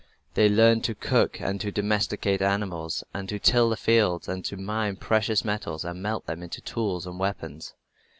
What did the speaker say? They learned to cook and to domesticate animals and to till the fields and to mine precious metals and melt them into tools and weapons.